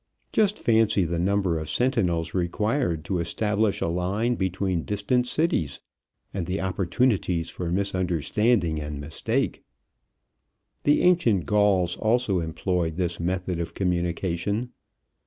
Just fancy the number of sentinels required to establish a line between distant cities, and the opportunities for misunderstanding and mistake! The ancient Gauls also employed this method of communication.